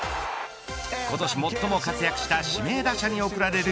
今年最も活躍した指名打者に贈られる